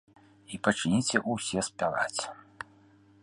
І пачніце ўсе спяваць.